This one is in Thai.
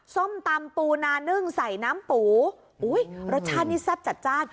ส้มตำปูนานึ่งใส่น้ำปูอุ้ยรสชาตินี่แซ่บจัดจ้าน